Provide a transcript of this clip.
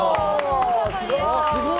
すごい！